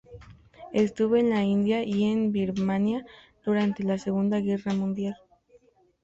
Estuvo en la India y en Birmania durante la Segunda Guerra Mundial.